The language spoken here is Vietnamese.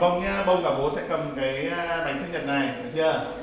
còn bông nha bông cả bố sẽ cầm cái bánh sinh nhật này được chưa